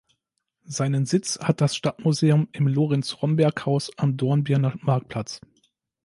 Seinen Sitz hat das Stadtmuseum im Lorenz-Rhomberg-Haus am Dornbirner Marktplatz.